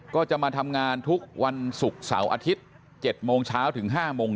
ก็จะมาทำงานทุกวันศุกร์เสาร์อาทิตย์๗โมงเช้าถึง๕โมง